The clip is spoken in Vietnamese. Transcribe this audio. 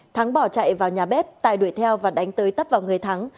thắng bỏ chạy vào nhà bếp tài đuổi theo và đánh tới tấp vào người thắng